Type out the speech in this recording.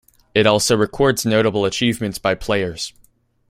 It also records notable achievements by players.